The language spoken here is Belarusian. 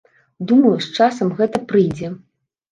Думаю, з часам гэта прыйдзе.